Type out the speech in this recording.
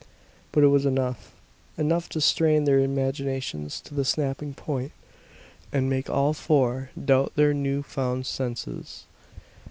But it was enough; enough to strain their imaginations to the snapping point, and make all four doubt their new found senses.